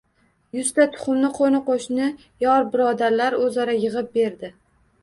Yuzta tuxumni qo‘ni-qo‘shni, yor-birodarlar o‘zaro yig‘ib berdi